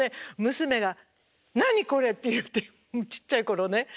娘が「何これ！」って言ってちっちゃい頃ね。